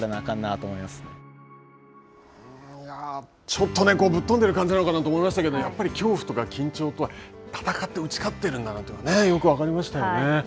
ちょっとぶっとんでる感じだと思いましたけど、やっぱり恐怖とか緊張と戦って、打ち勝っているんだなというのがよく分かりましたよね。